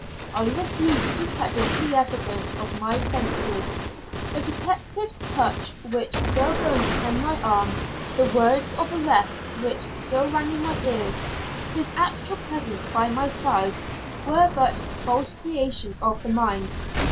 I refused to credit the evidence of my senses: the detective's touch, which still burnt upon my arm; the words of arrest, which still rang in my ears; his actual presence by my side were but "false creations of the mind."